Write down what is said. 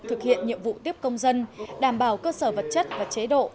thực hiện nhiệm vụ tiếp công dân đảm bảo cơ sở vật chất và chế độ